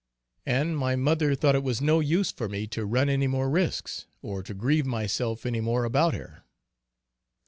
And my mother thought it was no use for me to run any more risks, or to grieve myself any more about her.